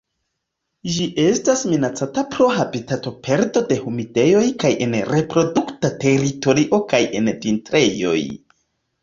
Ĝi estas minacata pro habitatoperdo de humidejoj kaj en reprodukta teritorio kaj en vintrejoj.